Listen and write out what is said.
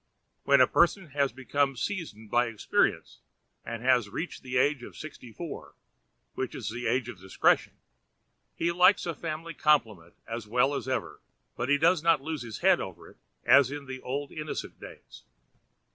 When a person has become seasoned by experience and has reached the age of sixty four, which is the age of discretion, he likes a family compliment as well as ever, but he does not lose his head over it as in the old innocent days.